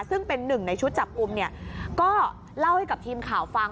ซึ่งเป็นหนึ่งในชุดจับกลุ่มเนี่ยก็เล่าให้กับทีมข่าวฟัง